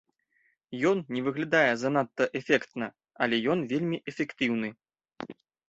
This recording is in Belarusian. Ён не выглядае занадта эфектна, але ён вельмі эфектыўны.